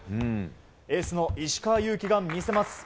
エースの石川祐希がみせます。